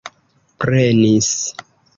prenis